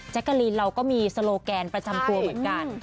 กะลีนเราก็มีโซโลแกนประจำตัวเหมือนกัน